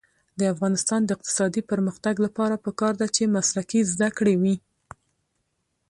د افغانستان د اقتصادي پرمختګ لپاره پکار ده چې مسلکي زده کړې وي.